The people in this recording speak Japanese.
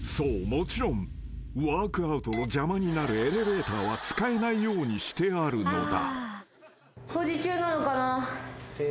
もちろんワークアウトの邪魔になるエレベーターは使えないようにしてあるのだ］